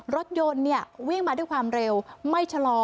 รถยนต์วิ่งมาด้วยความเร็วไม่ชะลอ